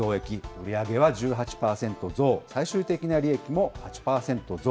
売り上げは１８％増、最終的な利益も８％増。